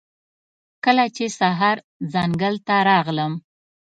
کله چې سهار ځنګل ته راغلم